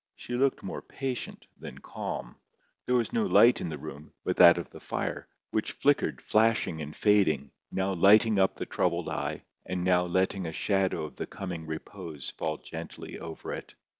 She looked more patient than calm. There was no light in the room but that of the fire, which flickered flashing and fading, now lighting up the troubled eye, and now letting a shadow of the coming repose fall gently over it.